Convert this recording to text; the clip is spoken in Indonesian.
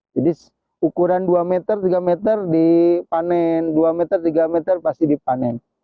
jadi ukuran dua tiga meter dipanen dua tiga meter pasti dipanen